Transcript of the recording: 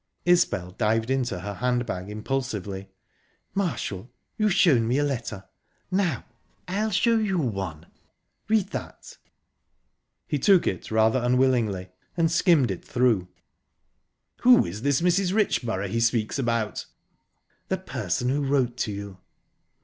Isbel dived into her hand bag impulsively. "Marshall, you've shown me a letter; now I'll show you one...Read that." He took it rather unwillingly, and skimmed it through. "Who is this Mrs. Richborough he speaks about?" "The person who wrote to you."